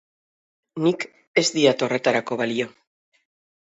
Nik ez diat horretarako balio.